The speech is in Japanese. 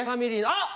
あっ！